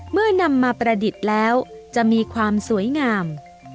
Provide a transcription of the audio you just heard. เมื่อนำมาประดิษฐ์แล้วจะมีความสวยงาม